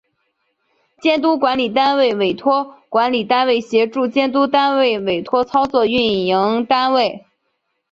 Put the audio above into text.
监督管理单位委托管理单位协助监督单位委托操作营运单位